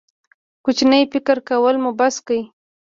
کوچنی فکر کول مو بس کړئ.